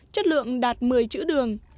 chất lượng đạt một mươi chữ đường